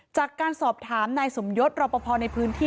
จากการสอบถามนายสมยศรอปภในพื้นที่